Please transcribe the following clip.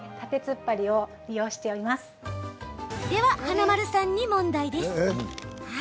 では、華丸さんに問題です。